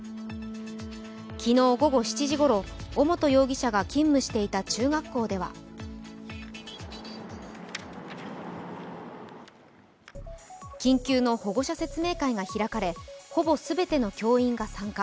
昨日午後７時ごろ、尾本容疑者が勤務していた中学校では緊急の保護者説明会が開かれほぼ全ての教員が参加。